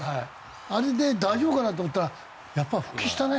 あれで大丈夫かな？と思ったらやっぱり復帰したね。